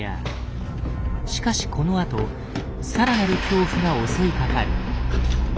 しかしこのあとさらなる恐怖が襲いかかる。